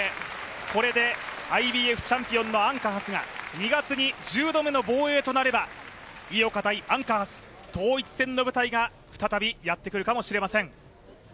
これでＩＢＦチャンピオンのアンカハスが、２月に１０度目の防衛となれば井岡×アンカハス統一戦の舞台が再びやってくるかもしれません。